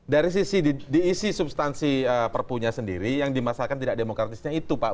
dari sisi diisi substansi perpunya sendiri yang dimasakkan tidak demokratisnya itu pak